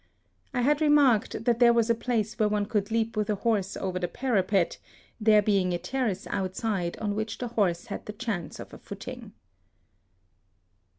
I had remarked that there was a place where one could leap with a horse over the parapet, there being a terrace outside on which the horse had the chance of a footing.